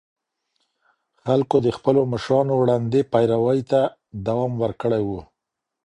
خلګو د خپلو مشرانو ړندې پيروي ته دوام ورکړی و.